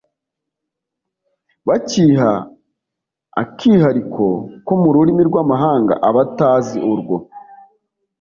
bakiha akihariko ko mu rurimi rw'amahanga, abatazi urwo